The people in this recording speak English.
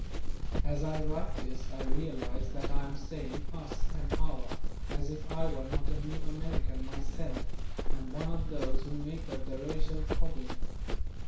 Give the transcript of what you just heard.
As I write this I realize that I am saying "us" and "our" as if I were not a New American myself and one of those who make up the racial problem.